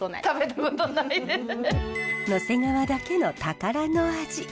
野迫川だけの宝の味。